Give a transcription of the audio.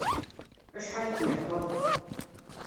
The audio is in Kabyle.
Acḥal i tleḥqeḍ?